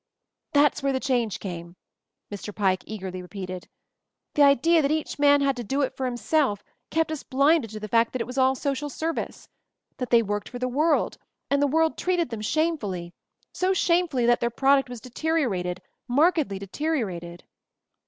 "That's where the change came," Mr. Pike eagerly repeated. "The idea that each man had to do it for himself kept us blinded to the fact that it was all social service; that they worked for the world, and the world treated them shamefully — so shamefully that their product was deteriorated, mark edly deteriorated."